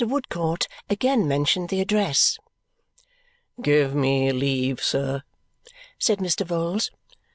Woodcourt again mentioned the address. "Give me leave, sir," said Mr. Vholes.